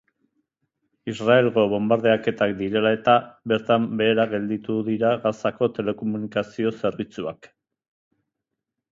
Israelgo bonbardaketak direla eta, bertan behera gelditu dira Gazako telekomunikazio zerbitzuak.